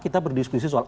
kita berdiskusi soal